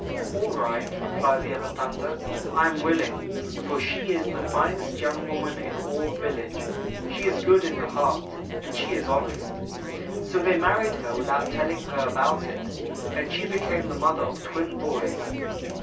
"'All right,' replied the other 'thunder.' 'I am willing, for she is the finest young woman in all the village. She is good in her heart, and she is honest.' "So they married her, without telling her about it, and she became the mother of twin boys.